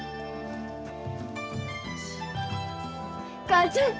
母ちゃん。